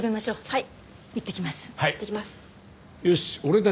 はい。